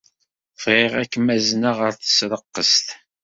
Bɣiɣ ad kem-azneɣ ɣer tesreqqest.